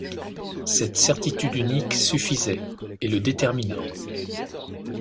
Cette certitude unique suffisait, et le détermina.